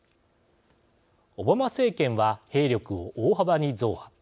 オバマ政権は兵力を大幅に増派。